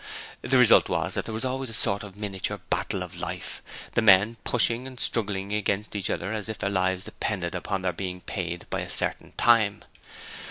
The result was that there was always a sort of miniature 'Battle of Life', the men pushing and struggling against each other as if their lives depended upon their being paid by a certain time.